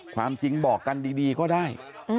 ความจริงบอกกันดีก็ได้